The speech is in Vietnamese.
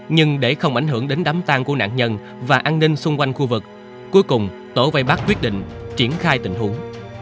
nhưng để không ảnh hưởng đến đám tang của nạn nhân và an ninh xung quanh khu vực cuối cùng tổ vây bắt quyết định triển khai tình huống